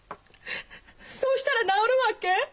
そうしたら治るわけ？